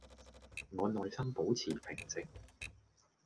我內心保持平靜